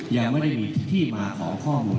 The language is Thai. ยังไม่ได้มีที่มาขอข้อมูล